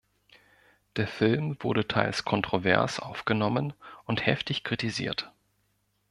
Der Film wurde teils kontrovers aufgenommen und heftig kritisiert.